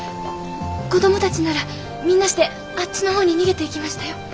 子どもたちならみんなしてあっちの方に逃げていきましたよ。